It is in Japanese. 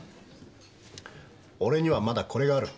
俺にはまだこれがある。